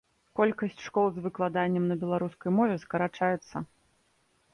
Колькасць школ з выкладаннем на беларускай мове скарачаецца.